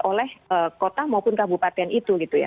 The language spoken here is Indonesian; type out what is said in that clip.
oleh kota maupun kabupaten itu